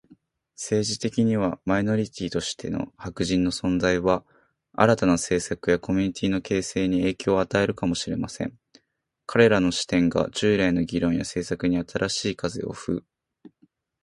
政治的には、マイノリティとしての白人の存在は、新たな政策やコミュニティの形成に影響を与えるかもしれません。彼らの視点が、従来の議論や政策に新しい風を吹き込むことになるでしょう。また、白人コミュニティ内でも、新たな連帯感が生まれる可能性があります。過去の支配的な文化が脅かされることで、彼らが互いに支え合う姿勢が強まるかもしれません。